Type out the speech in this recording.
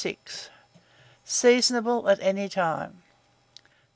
Seasonable at any time.